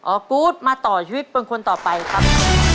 กูธมาต่อชีวิตเป็นคนต่อไปครับ